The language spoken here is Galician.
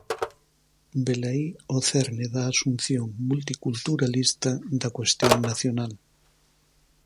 Velaí o cerne da asunción multiculturalista da cuestión nacional.